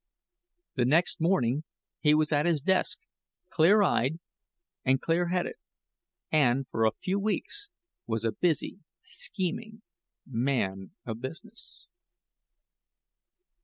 The next morning he was at his desk, clear eyed and clear headed, and for a few weeks was a busy, scheming man of business.